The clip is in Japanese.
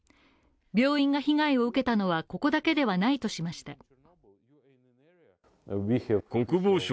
病院が被害を受けたのはここだけではないとしました。